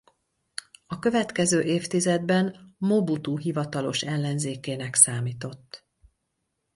A következő évtizedben Mobutu hivatalos ellenzékének számított.